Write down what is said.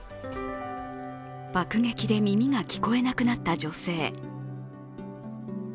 爆撃で耳が聞こえなくなった女性。